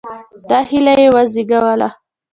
دا هیله یې وزېږوله.